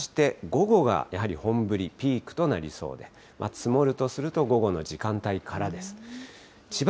そして午後がやはり本降り、ピークとなりそうで、積もるとすると、午後の時間帯からです。